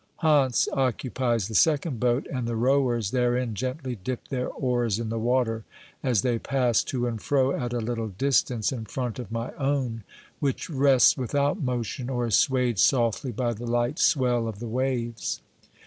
Hantz occupies the second boat, and the rowers therein gently dip their oars in the water as they pass to and fro at a little distance in front of my own, which rests without motion or is swayed softly by the light swell of the waves.